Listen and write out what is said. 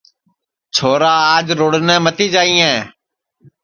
چھورا آج رُڑٹؔے متی جائیئے